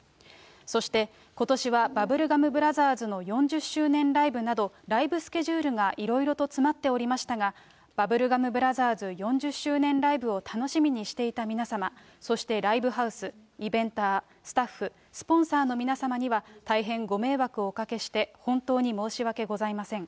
そして、ことしはバブルガムブラザーズの４０周年ライブなど、ライブスケジュールがいろいろと詰まっておりましたが、バブルガムブラザーズ４０周年ライブを楽しみにしていた皆様、そしてライブハウス、イベンター、スタッフ、スポンサーの皆様には大変ご迷惑をおかけして本当に申し訳ございません。